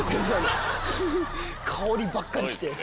香りばっかり来て。